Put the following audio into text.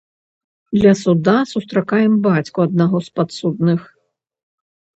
Ля суда сустракаем бацьку аднаго з падсудных.